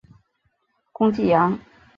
攻济阳。